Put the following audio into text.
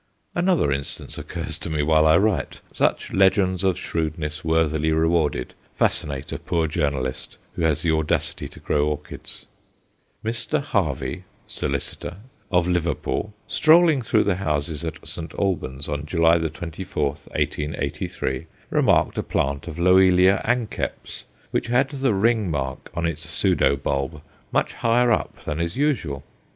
Another instance occurs to me while I write such legends of shrewdness worthily rewarded fascinate a poor journalist who has the audacity to grow orchids. Mr. Harvey, solicitor, of Liverpool, strolling through the houses at St. Albans on July 24, 1883, remarked a plant of Loelia anceps, which had the ring mark on its pseudo bulb much higher up than is usual.